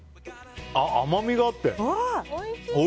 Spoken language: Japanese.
甘みがあって。